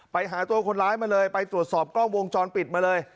ไปหาตัวคนร้ายมาเลยไปตรวจสอบกล้องวงจรปิดมาเลย